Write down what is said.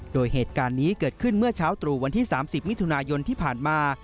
โดยเหตุการณ์นี้เกิดขึ้นเมื่อเช้าตรู่วันที่๓๐มิถุนายนที่ผ่านมา